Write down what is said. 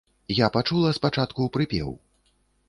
Я пачула спачатку прыпеў.